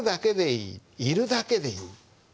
「いるだけでいい」。